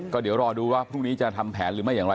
ก็เดี๋ยวรอดูว่าพรุ่งนี้จะทำแผนหรือไม่อย่างไร